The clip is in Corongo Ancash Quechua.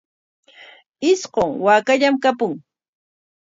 Isqun waakallam kapun.